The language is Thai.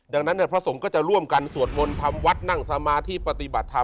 ดังนั้นพระสงฆ์ก็จะร่วมกันสวดมนต์ทำวัดนั่งสมาธิปฏิบัติธรรม